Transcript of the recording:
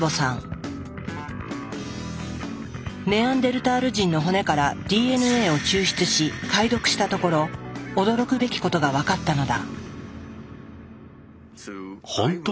ネアンデルタール人の骨からＤＮＡを抽出し解読したところ驚くべきことが分かったのだ。